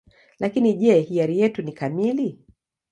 Lakini je, hiari yetu ni kamili?